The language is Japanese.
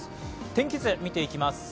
天気図、見ていきます。